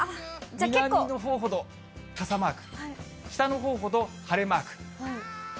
南のほうほど傘マーク、北のほうほど晴れマーク。